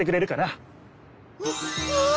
うわ！